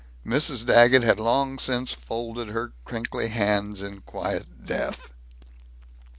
Mrs. Daggett had long since folded her crinkly hands in quiet death.